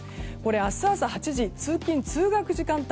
明日朝８時、通勤・通学時間帯